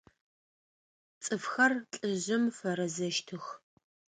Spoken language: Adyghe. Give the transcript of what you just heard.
Цӏыфхэр лӏыжъым фэрэзэщтых.